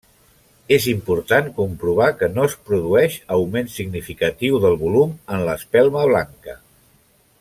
És important comprovar que no es produeix augment significatiu del volum en l'espelma blanca.